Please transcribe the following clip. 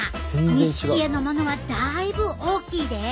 錦絵のものはだいぶ大きいで。